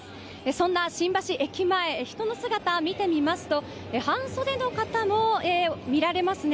そんな新橋駅前人の姿を見てみますと半袖の方も見られますね。